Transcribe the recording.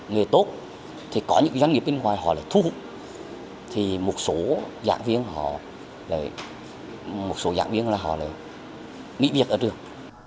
người tốt thì có những doanh nghiệp bên ngoài họ lại thu hút thì một số giảng viên họ lại nghĩ việc ở trường